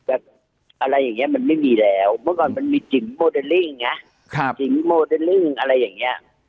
แต่อะไรอย่างนี้มันไม่มีแล้วเมื่อก่อนมันมีจิ๋มโมเดลลิ่งไงจิ๋มโมเดลลิ่งอะไรอย่างนี้